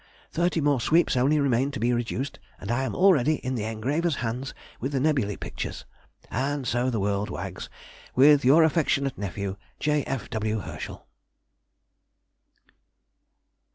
Thirty more sweeps only remain to be reduced, and I am already in the engraver's hands with the nebulæ pictures. And so the world wags with Your affectionate nephew, J. F. W. HERSCHEL.